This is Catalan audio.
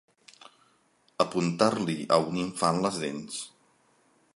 Apuntar-li a un infant les dents.